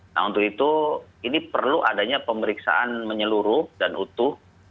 nah untuk itu ini perlu adanya pemeriksaan menyeluruh dan utuh